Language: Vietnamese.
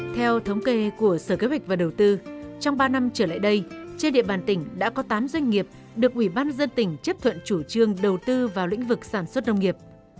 theo thống kê của sở kế hoạch và đầu tư trong ba năm trở lại đây trên địa bàn tỉnh đã có tám doanh nghiệp được ủy ban dân tỉnh chấp thuận chủ trương đầu tư vào lĩnh vực sản xuất nông nghiệp